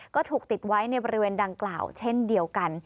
ก็ถูกติดไว้ในบริเวณดังกล่าวเช่นเดียวกัน